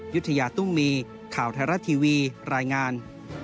ยุธยาตุ้มมีข่าวไทยรัฐทีวีรายงาน